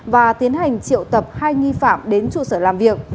và tiến hành triệu tập hai nghi phạm đến trụ sở làm việc